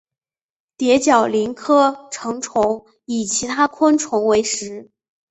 蝶角蛉科成虫以其他昆虫为食。